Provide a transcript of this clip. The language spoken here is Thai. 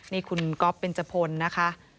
นี่คุณก๊อฟเบนจพลนะคะ